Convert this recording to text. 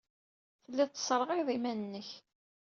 Tellid tesserɣayed iman-nnek.